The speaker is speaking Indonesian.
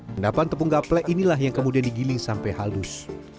endapan tepung gaplek inilah yang kemudian digiling sampai halus